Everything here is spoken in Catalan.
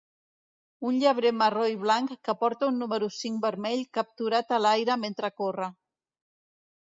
Un llebrer marró i blanc que porta un número cinc vermell capturat a l'aire mentre corre.